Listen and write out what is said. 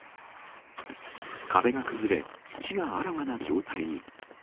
壁が崩れ、土があらわな状態に。